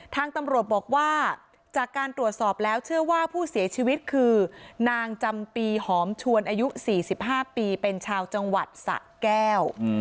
ทางตำรวจบอกว่าจากการตรวจสอบแล้วเชื่อว่าผู้เสียชีวิตคือนางจำปีหอมชวนอายุ๔๕ปีเป็นชาวจังหวัดสะแก้ว